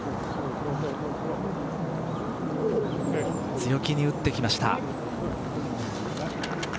強気に打ってきました。